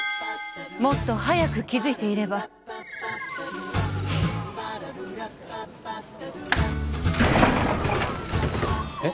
もっと早く気づいていればえっ？